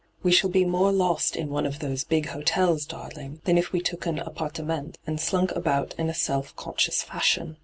We shall be more lost in one of those big hotels, darling, than if we took an a/pparte ment and slunk about in a self conscious fashion.